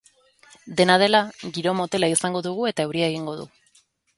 Dena dela, giro motela izango dugu eta euria egingo du.